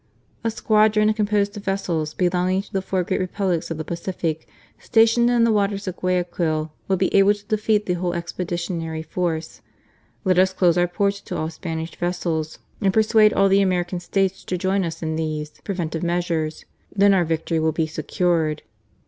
A squadron, composed of vessels belonging to the four great Republics of the Pacific, stationed in the waters of Guayaquil, would be able to defeat the whole expeditionary force. Let us close our ports to all Spanish vessels, and persuade all the American States to join us in these THE AVENGER. 33 preventive measures — then our victory will be secured."